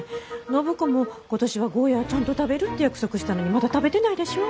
暢子も今年はゴーヤーちゃんと食べるって約束したのにまだ食べてないでしょ？